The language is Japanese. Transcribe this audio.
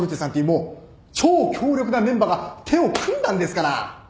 もう超強力なメンバーが手を組んだんですから。